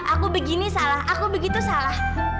aku begini salah aku begitu salah